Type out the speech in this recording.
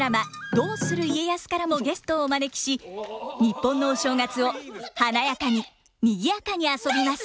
「どうする家康」からもゲストをお招きし日本のお正月を華やかににぎやかに遊びます。